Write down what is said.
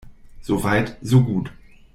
So weit, so gut.